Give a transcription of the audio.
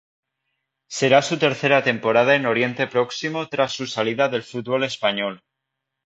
Será su tercera temporada en Oriente Próximo tras su salida del fútbol español.